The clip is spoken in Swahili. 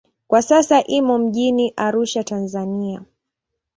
Kwa sasa imo mjini Arusha, Tanzania.